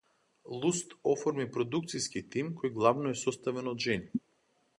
Луст оформи продукциски тим кој главно е составен од жени.